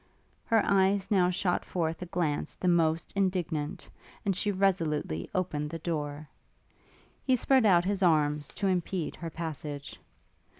Her eyes now shot forth a glance the most indignant, and she resolutely opened the door. He spread out his arms to impede her passage.